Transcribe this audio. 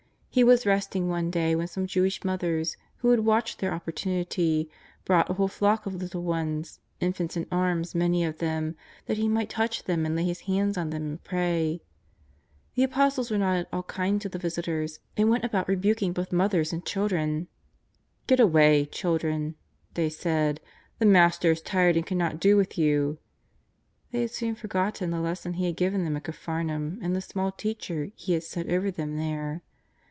He was resting one day when some Jewish mothers, who had watched their opportunity, brought a whole flock of little ones, in fants in arms many of them, that He might touch them and lay His hands on them and pray. The Apostles were not at all kind to the visitors and went about rebuking both mothers and children: " Get away, children," they said, " the Master is tired and cannot do with you." They had soon forgotten the lesson He had given them at Capharnaum and the small teacher He had set over them there.